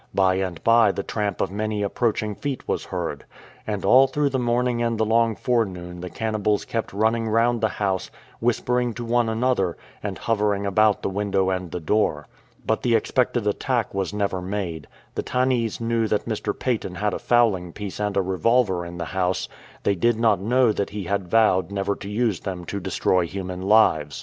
By and by the tramp of many approaching feet was heard. And all through the morning and the long forenoon the cannibals kept running round the house, whispering to one another, and hovering about the window and the door. But the 32s POWER OF AN EMPTY REVOLVER expected attack was never made. The Tannese knew that Mr. Paton had a fowling piece and a revolver in the house ; they did not know that he had vowed never to use them to destroy human lives.